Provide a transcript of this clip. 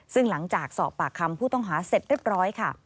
ซึ่งหลังจากสอบปากคำผู้ต้องหาเสร็จเรียบร้อยค่ะ